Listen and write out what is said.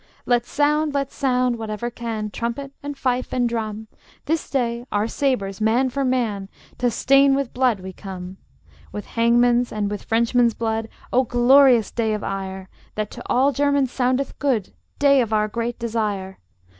Let sound, let sound, whatever can, Trumpet and fife and drum, This day our sabres, man for man, To stain with blood we come; With hangman's and with Frenchmen's blood, O glorious day of ire, That to all Germans soundeth good Day of our great desire!